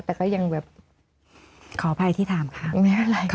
แต่ก็ยังแบบขออภัยที่ถามค่ะไม่อะไร